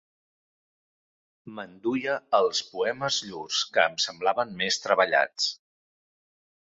M'enduia els poemes llurs que em semblaven més treballats.